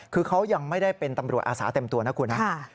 คือเขายังไม่ได้เป็นตำรวจอาสาเต็มตัวนะคุณนะ